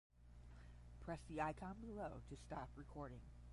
The Corps agreed and sided with Fisher.